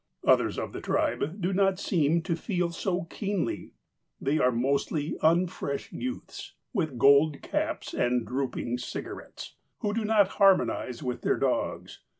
Others of the tribe do not seem to feel so keenly. They are mostly unfresh youths, with gold caps and drooping cigarettes, who do not harmonize with their dogs.